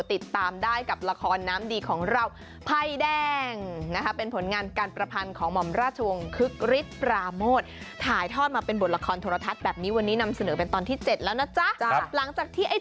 ติดตามได้กับละครน้ำดีของเราภัยแดง